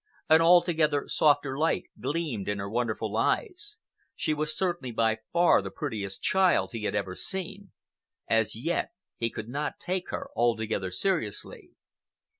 An altogether softer light gleamed in her wonderful eyes. She was certainly by far the prettiest child he had ever seen. As yet he could not take her altogether seriously.